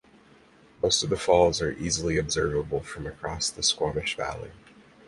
Most of the falls are easily observable from across the Squamish Valley.